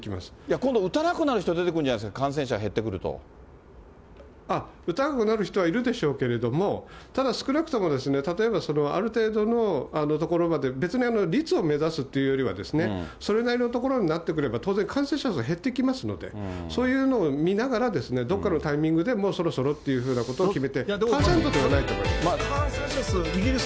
今度打たなくなる人、出てくるんじゃないですか、感染者減っ打たなくなる人はいるでしょうけれども、ただ少なくともですね、例えば、それはある程度のところまで、別に率を目指すというよりはですね、それなりのところになってくれば、当然、感染者数は減ってきますので、そういうのを見ながら、どっかのタイミングでもうそろそろってふうなことを決めて、感染者数、イギリス、